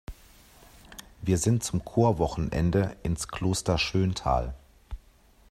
Wir sind zum Chorwochenende ins Kloster Schöntal.